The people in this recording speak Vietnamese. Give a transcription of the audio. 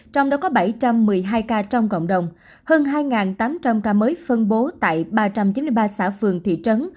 trong đó có bảy trăm một mươi hai ca trong cộng đồng hơn hai tám trăm linh ca mới phân bố tại ba trăm chín mươi ba xã phường thị trấn